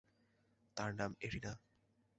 তার নাম ইরিনা।